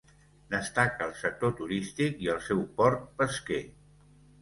Destaca el sector turístic i el seu port pesquer.